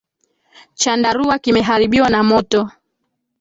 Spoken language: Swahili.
Chandarua kimeharibiwa na moto.